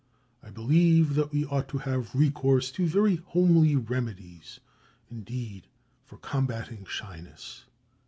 I believe that we ought to have recourse to very homely remedies indeed for combating shyness.